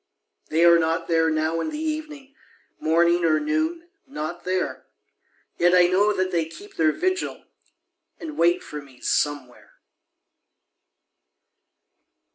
They are not there now in the evening Morning or noon not there; Yet I know that they keep their vigil, And wait for me Somewhere.